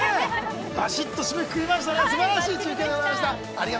締めくくりましたね素晴らしい中継でした。